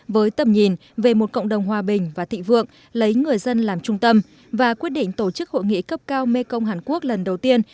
với tầm nhìn về một cộng đồng hòa bình và thị vượng lấy người dân làm trung tâm và quyết định tổ chức hội nghị cấp cao mekong hàn quốc lần đầu tiên